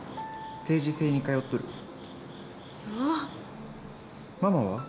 定時制に通っとるそうママは？